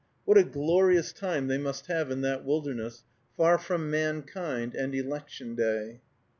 What a glorious time they must have in that wilderness, far from mankind and election day!